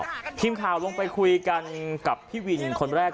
ก็แค่มีเรื่องเดียวให้มันพอแค่นี้เถอะ